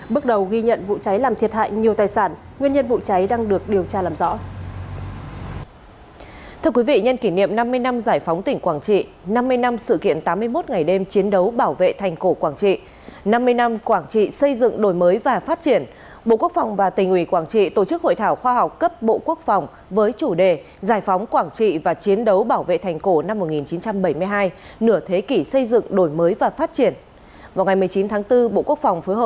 bước đầu ghi nhận vụ cháy làm thiệt hại nhiều tài sản nguyên nhân vụ cháy đang được điều tra làm rõ